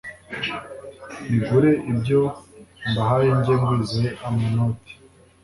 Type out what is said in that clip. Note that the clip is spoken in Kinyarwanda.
bagure ibyo mbahaye jye ngwize amanoti